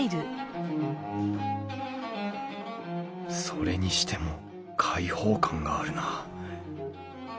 それにしても開放感があるなあ。